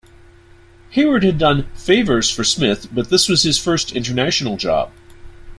Hayward had done "favours" for Smith, but this was his first international job.